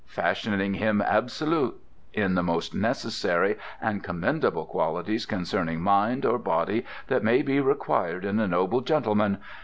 Fashioning him absolut in the most necessary and Commendable Qualities concerning Minde, or Body, that may be required in a Noble Gentleman.